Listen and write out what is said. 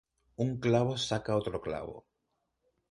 Un clavo saca otro clavo